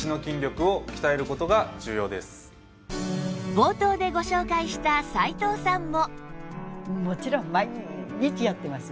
冒頭でご紹介した斉藤さんも